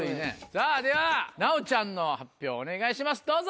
さぁでは奈央ちゃんの発表お願いしますどうぞ！